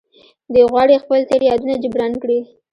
دوی غواړي خپل تېر زيانونه جبران کړي.